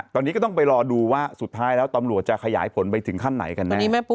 ตอนนี้ก็ต้องไปรอดูว่าสุดท้ายแล้วตำรวจจะขยายผลไปถึงขั้นไหนกันแน่